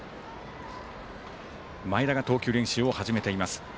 前田が投球練習を始めています。